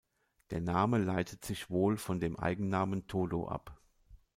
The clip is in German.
Der Name leitet sich wohl von dem Eigennamen "Todo" ab.